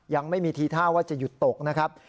ยังไม่มีทีท่าว่าจะหยุดตกนะครับ